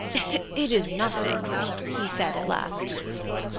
"It is nothing," he said, at last.